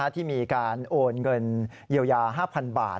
ที่มีการโอนเงินเยียวยา๕๐๐๐บาท